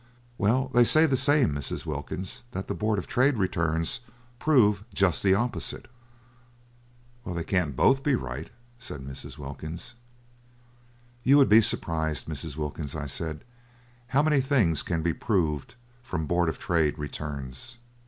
"Well, they say the same, Mrs. Wilkins, that the Board of Trade Returns prove just the opposite." "Well, they can't both be right," said Mrs. Wilkins. "You would be surprised, Mrs. Wilkins," I said, "how many things can be proved from Board of Trade Returns!"